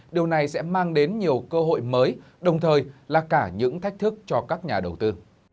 điều này sẽ mang đến nhiều cơ hội mới đồng thời là cả những thách thức cho các nhà đầu tư